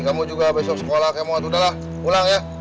kamu juga besok sekolah kamu udah lah pulang ya